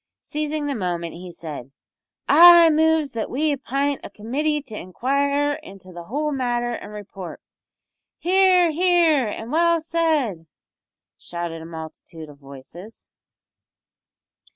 Seizing the moment, he said "I moves that we apint a committee to inquire into the whole matter an' report." "Hear, hear, and well said!" shouted a multitude of voices.